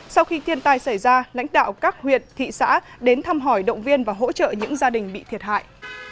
sau khi thiên tai xảy ra lãnh đạo các huyện thị xã đến thăm hỏi động viên và hỗ trợ những gia đình bị thiệt hại